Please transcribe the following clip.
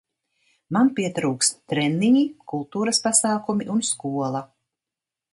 Man pietrūkst treniņi, kultūras pasākumi un skola.